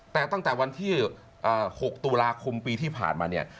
แต่ตั้งแต่วันที่๖ตุลาคมปีที่ผ่านมาเนี่ย